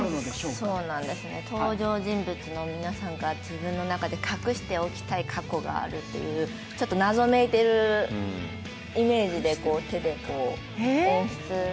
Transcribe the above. そうなんです、登場人物の皆さんが自分の中で隠しておきたいところがあるというちょっと謎めいているイメージで手で演出。